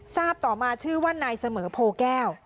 ทราบต่อมาชื่อว่านายเสมอโพแก้ว